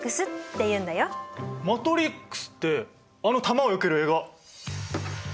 マトリックスってあの弾をよける映画！